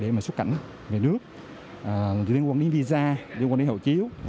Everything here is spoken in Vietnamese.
những vấn đề xuất cảnh về nước liên quan đến visa liên quan đến hậu chiếu